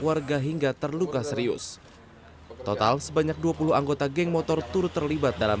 warga hingga terluka serius total sebanyak dua puluh anggota geng motor turut terlibat dalam